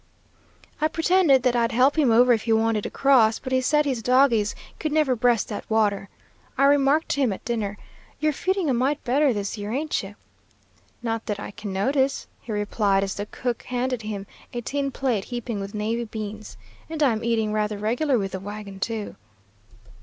I pretended that I'd help him over if he wanted to cross, but he said his dogies could never breast that water. I remarked to him at dinner, 'You're feeding a mite better this year, ain't you?' 'Not that I can notice,' he replied, as the cook handed him a tin plate heaping with navy beans, 'and I'm eating rather regular with the wagon, too.'